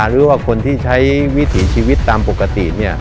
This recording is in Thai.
หรือว่าคนที่ใช้วิถีชีวิตตามปกติ